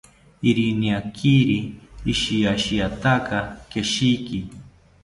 Irianeriki ishiashiata keshiki